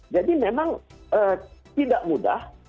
jadi memang tidak mudah